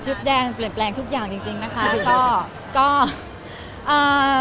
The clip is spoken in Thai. ชุดแดงเปลี่ยนแปลงทุกอย่างจริงนะคะ